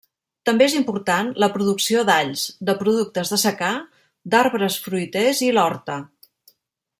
També és important la producció d'alls, de productes de secà, d'arbres fruiters i l'horta.